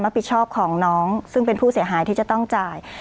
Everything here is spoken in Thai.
ผิดชอบของน้องซึ่งเป็นผู้เสียหายที่จะต้องจ่าย